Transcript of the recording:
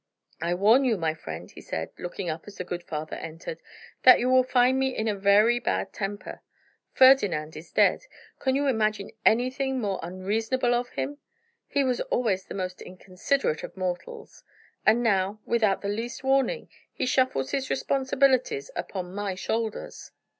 "I warn you, my friend," he said, looking up as the good father entered, "that you will find me in a very bad temper. Ferdinand is dead can you imagine anything more unreasonable of him? He was always the most inconsiderate of mortals; and now, without the least warning, he shuffles his responsibilities upon my shoulders."